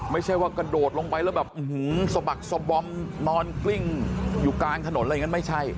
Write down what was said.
ไม่ใช่ว่ากระโดดลงไปแล้วแบบสะบักสบอมนอนกลิ้งอยู่กลางถนนอะไรอย่างนั้นไม่ใช่